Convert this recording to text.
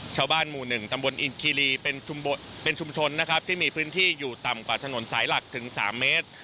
ชาวบ้านหมู่๑ตำบลอินคีรีเป็นชุมชนนะครับที่มีพื้นที่อยู่ต่ำกว่าถนนสายหลักถึง๓เมตร